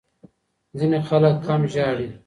ځینې خلک کم ژاړي.